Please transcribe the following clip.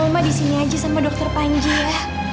oma disini aja sama dokter panji ya